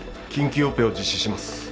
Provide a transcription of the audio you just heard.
緊急オペを実施します。